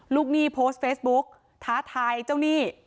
หนี้โพสต์เฟซบุ๊กท้าทายเจ้าหนี้